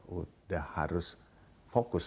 sudah harus fokus